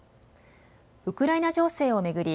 ウクライナ情勢を巡り